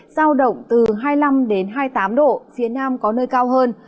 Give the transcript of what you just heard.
giao động từ hai mươi năm hai mươi tám độ phía nam có nơi cao hơn